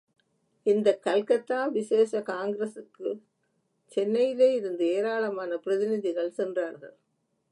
இந்தக் கல்கத்தா விசேஷ காங்கிரசுக்குச் சென்னையிலே இருந்து ஏராளமான பிரதிநிதிகள் சென்றார்கள்.